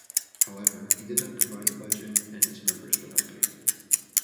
However, he did not provide a budget and its members were not paid.